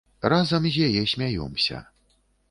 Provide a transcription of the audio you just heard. Разам з яе смяёмся.